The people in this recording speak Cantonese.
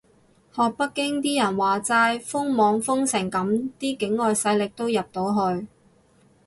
學北京啲人話齋，封網封成噉啲境外勢力都入到去？